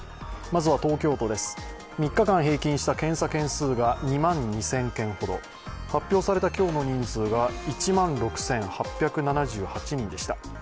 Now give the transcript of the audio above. まずは東京都です、３日間平均した検査件数が２万２０００件ほど、発表された今日の人数が１万６８７８人でした。